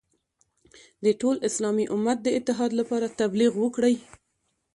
د ټول اسلامي امت د اتحاد لپاره تبلیغ وکړي.